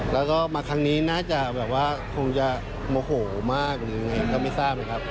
แล้วก็มาครั้งนี้น่าจะแบบว่าคงจะโมโหมากหรือยังไงก็ไม่ทราบเลยครับ